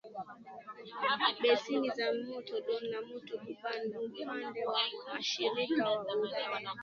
beseni za mto Don na mto Kuban Upande wa mashariki wa Ural